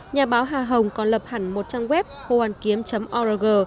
nhà báo hà hồng còn lập hẳn một trang web khoaniếm org